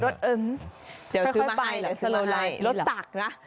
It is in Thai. รถเอิ้งเดี๋ยวซื้อมาให้รถตักนะ